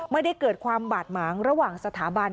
ไม่ได้เกิดความบาดหมางระหว่างสถาบัน